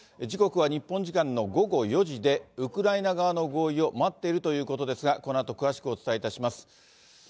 時刻は日本時間の午後４時で、ウクライナ側の合意を待っているということですが、このあと詳しくお伝えいたします。